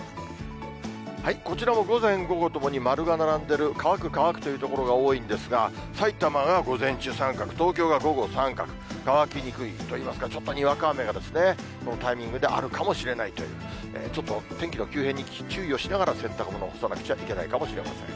こちらも午前、午後ともに〇が並んでる、乾く、乾くという所が多いんですが、さいたまが午前中△、東京が午後△、乾きにくいといいますか、ちょっとにわか雨が、このタイミングであるかもしれないという、ちょっと天気の急変に注意をしながら、洗濯物を干さなくちゃいけないかもしれません。